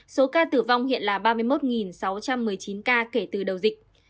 số ca tử vong hiện là ba mươi một sáu trăm một mươi chín ca kể từ đầu dịch